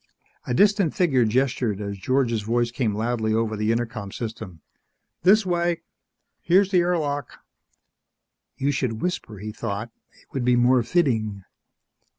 A distant figure gestured as George's voice came loudly over the intercom system, "This way. Here's the air lock!" You should whisper, he thought. _It would be more fitting.